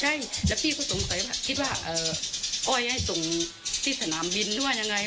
ใช่แล้วพี่ก็สงสัยว่าคิดว่าอ้อยให้ส่งที่สนามบินหรือว่ายังไง